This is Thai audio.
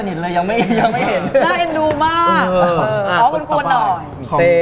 อันนี้ยังไม่ค่อยสนิท